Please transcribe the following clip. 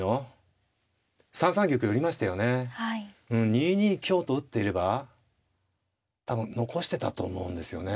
２二香と打っていれば多分残してたと思うんですよね。